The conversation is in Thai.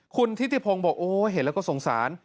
คุณทิติพงศ์บอกโอ้เห็นแล้วก็สงสาร